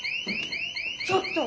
ちょっと！